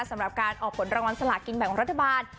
สำหรับการออกผลรางวัลสลากินแบ่งรัฐบาล